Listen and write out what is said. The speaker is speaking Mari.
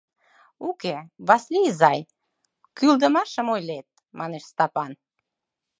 — Уке, Васли изай, кӱлдымашым ойлет, — манеш Стапан.